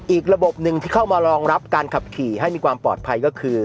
อีกระบบหนึ่งที่เข้ามารองรับการขับขี่ให้มีความปลอดภัยก็คือ